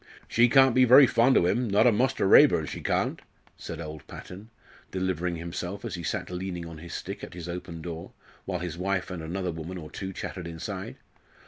"She can't be very fond o' 'im, not of Muster Raeburn, she can't," said old Patton, delivering himself as he sat leaning on his stick at his open door, while his wife and another woman or two chattered inside.